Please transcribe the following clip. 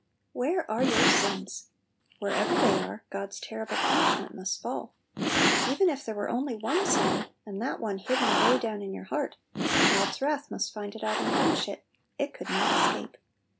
WHERE are your sins ? Wherever they are, God's terrible punish ment must fall Even if there were only one sin, and that one hidden away down in your heart, God's wrath must find it out. and punish it It could not escape.